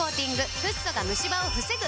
フッ素がムシ歯を防ぐ！